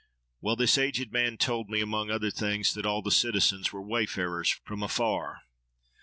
Well, this aged man told me, among other things, that all the citizens were wayfarers from afar.